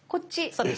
そうです。